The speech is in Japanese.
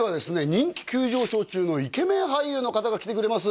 人気急上昇中のイケメン俳優の方が来てくれます